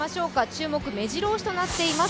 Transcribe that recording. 注目、めじろ押しとなっています。